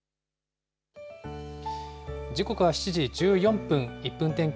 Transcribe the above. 時刻は７時１４分、１分天気